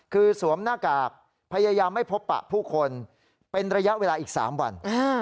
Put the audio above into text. คือสวมหน้ากากพยายามไม่พบปะผู้คนเป็นระยะเวลาอีก๓วัน